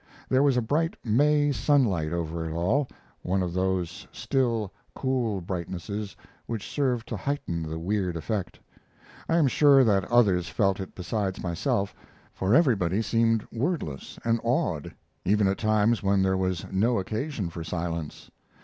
There was a bright May sunlight over it all, one of those still, cool brightnesses which served to heighten the weird effect. I am sure that others felt it besides myself, for everybody seemed wordless and awed, even at times when there was no occasion for silence.